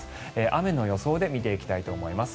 雨の予想で見ていきたいと思います。